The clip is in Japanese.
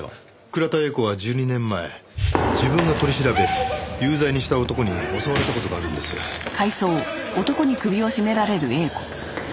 倉田映子は１２年前自分が取り調べ有罪にした男に襲われた事があるんです。何やってるんだ！